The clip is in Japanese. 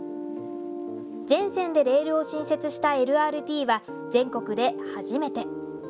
全線でレールを新設したＬＲＴは全国で初めて。